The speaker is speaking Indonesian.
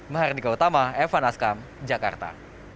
mahardika utama evan askam jakarta